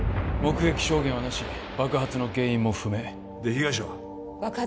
目撃証言はなし爆発の原因も不明で被害者は？